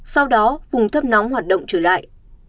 sau đó vùng thấp nóng hoạt động trở lại